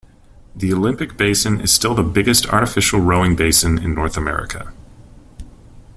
The Olympic Basin is still the biggest artificial rowing basin in North America.